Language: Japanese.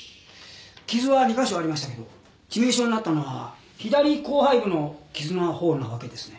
傷は２カ所ありましたけど致命傷になったのは左後背部の傷のほうなわけですね。